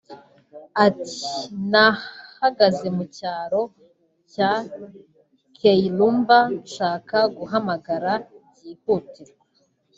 Ati “Nahagaze mu cyaro cya Kyeirumba nshaka guhamagara byihutirwa